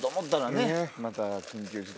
また。